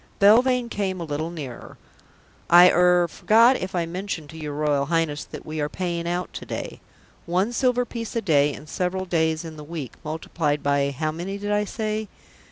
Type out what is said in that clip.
Belvane came a little nearer. "I er forgot if I mentioned to your Royal Highness that we are paying out today. One silver piece a day and several days in the week, multiplied by how many did I say?